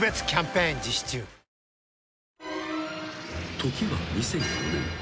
［時は２００４年。